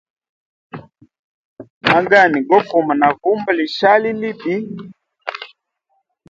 Magani gofuma na vumba lishali libi.